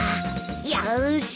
よし！